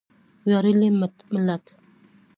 ویاړلی ملت.